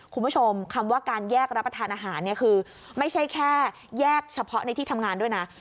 คุณผู้ชมคำว่าการแยกรับประทานอาหารเนี่ยคือไม่ใช่แค่แยกเฉพาะในที่ทำงานด้วยนะ